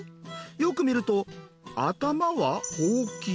よく見ると頭はほうき。